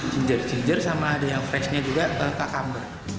ginger ginger sama ada yang freshnya juga ke amber